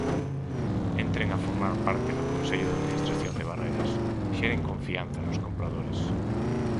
Entren a formar parte do Consello de Administración de Barreras, xeren confianza nos compradores.